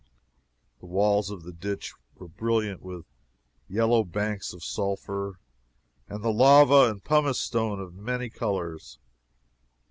The walls of the ditch were brilliant with yellow banks of sulphur and with lava and pumice stone of many colors.